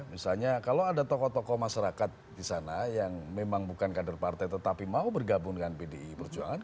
misalnya kalau ada tokoh tokoh masyarakat di sana yang memang bukan kader partai tetapi mau bergabung dengan pdi perjuangan